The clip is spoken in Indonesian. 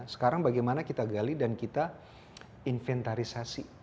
sekarang bagaimana kita gali dan kita inventarisasi